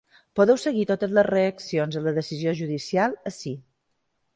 Podeu seguir totes les reaccions a la decisió judicial ací.